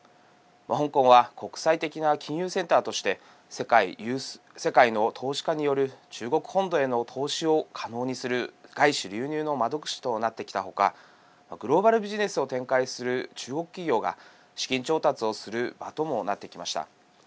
香港は国際的な金融センターとして世界の投資家による中国本土への投資を可能にする外資流入の窓口となってきたほかグローバルビジネスを展開する中国企業が資金調達をする場ともなってきました。